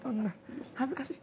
恥ずかしい。